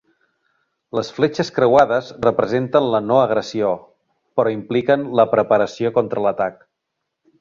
Les fletxes creuades representen la no agressió, però impliquen la preparació contra l'atac.